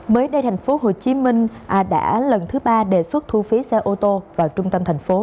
mới đây thành phố hồ chí minh đã lần thứ ba đề xuất thu phí xe ô tô vào trung tâm thành phố